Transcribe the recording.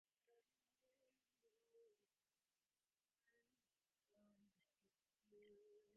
ޑީ. އެން. އާރު އިން ނަގަން ޙަވާލުކުރެވޭ އައި ޑީ ކާޑު ނަގައި